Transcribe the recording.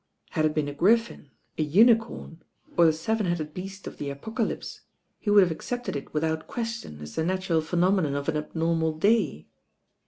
Had it been a griiEn, a unicorn, or the Seven Headed Beast of the Apoo alypse, he would have accepted it without question ts the natural phenomenon of an abnormal day.